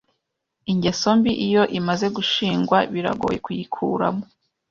Ingeso mbi, iyo imaze gushingwa, biragoye kuyikuramo.